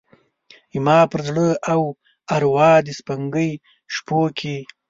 زما پر زړه او اروا د سپوږمۍ شپوکې،